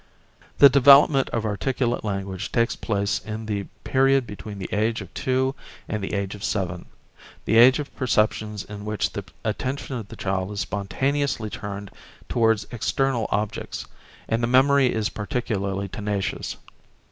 The development of articulate language takes place in the period between the age of two and the age of seven: the age of perceptions in which the attention of the child is spontaneously turned towards external objects, and the memory is particularly tenacious.